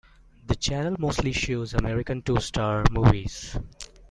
The channel mostly shows American two-star movies.